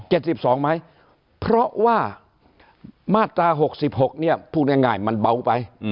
๗๒ไหมเพราะว่ามาตรา๖๖เนี่ยพูดง่ายมันเบาไป